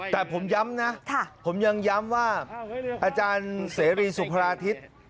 แต่ผมย้ำนะผมยังย้ำว่าอาจารย์เสรีสุพราธิต